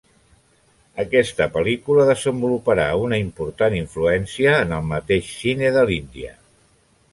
Aquesta pel·lícula desenvoluparà una important influència en el mateix cine de l'Índia.